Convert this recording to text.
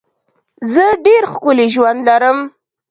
زه ډېر ښکلی ژوند لرم.